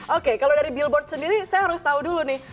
oke kalau dari billboard sendiri saya harus tahu dulu nih